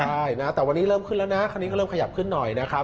ใช่นะแต่วันนี้เริ่มขึ้นแล้วนะคันนี้ก็เริ่มขยับขึ้นหน่อยนะครับ